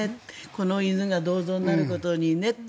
この犬が銅像になることにね。